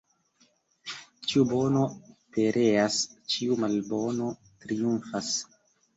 Ĉiu bono pereas, ĉiu malbono triumfas.